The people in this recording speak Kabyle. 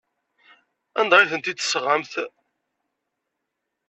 Anda ay ten-id-tesɣam?